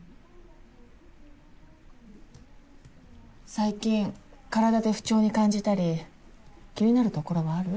最近体で不調に感じたり気になるところはある？